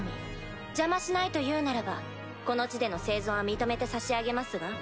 邪魔しないというならばこの地での生存は認めて差し上げますが？